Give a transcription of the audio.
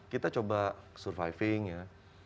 kita coba surviving ya